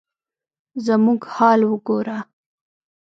زموږ حال وګوره ؟